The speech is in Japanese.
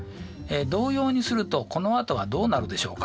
同様にするとこのあとはどうなるでしょうか？